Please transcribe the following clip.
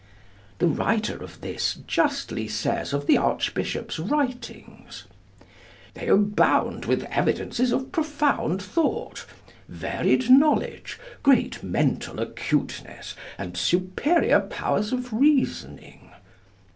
The writer of this justly says of the Archbishop's writings: 'They abound with evidences of profound thought, varied knowledge, great mental acuteness, and superior powers of reasoning.'